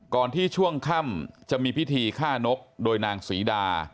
ก่อนที่ช่วงค่ำจะมีพิธีฆ่านกโดยนางศรีดา